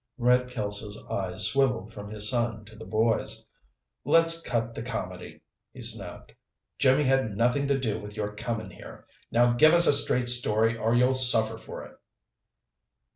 Red Kelso's eyes swiveled from his son to the boys. "Let's cut the comedy," he snapped. "Jimmy had nothin' to do with your comin' here. Now give us a straight story or you'll suffer for it!"